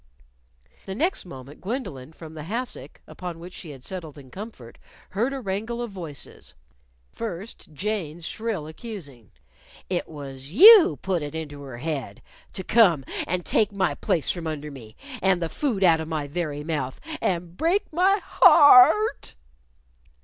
The next moment Gwendolyn, from the hassock upon which she had settled in comfort heard a wrangle of voices: First, Jane's shrill accusing, "It was you put it into her head! to come and take my place from under me and the food out of my very mouth and break my hear r r rt!"